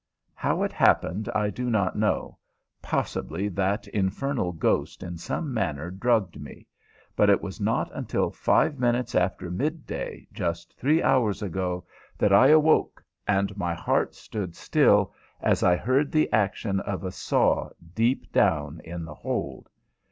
How it happened I do not know; possibly that infernal ghost in some manner drugged me; but it was not until five minutes after midday, just three hours ago, that I awoke, and my heart stood still as I heard the action of a saw deep down in the hold.